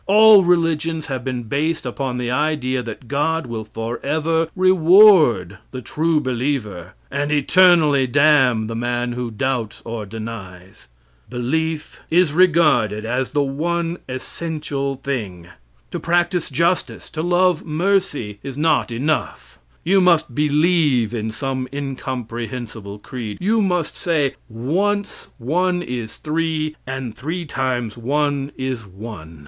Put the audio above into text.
All religions have been based upon the idea that God will forever reward the true believer, and eternally damn the man who doubts or denies. Belief is regarded as the one essential thing. To practice justice, to love mercy, is not enough; you must believe in some incomprehensible creed. You must say: "Once one is three, and three times one is one."